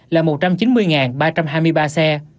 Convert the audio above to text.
là một trăm chín mươi ba trăm hai mươi ba xe